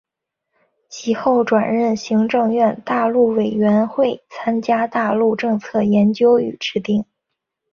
其后转任行政院大陆委员会参与大陆政策研究与制定。